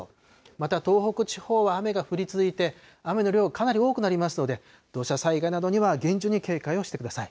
また東北地方は雨が降り続いて、雨の量、かなり多くなりますので、土砂災害などには厳重に警戒をしてください。